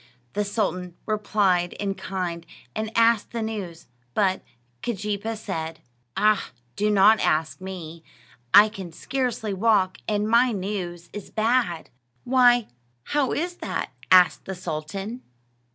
The sultan replied in kind, and asked the news, but Keejeepaa said: "Ah, do not ask me. I can scarcely walk, and my news is bad!" "Why, how is that?" asked the sultan.